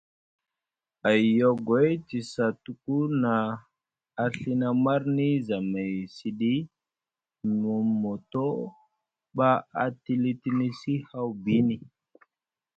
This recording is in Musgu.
Ahiyogoy te sa tuku na a Ɵina marni zamay siɗi miŋ moto ɓa e tilitini haw biini.